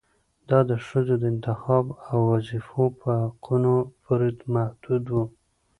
دا د ښځو د انتخاب او وظيفو په حقونو پورې محدود و